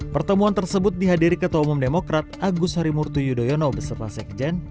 pertemuan tersebut dihadiri ketua umum demokrat agus harimurti yudhoyono beserta sekjen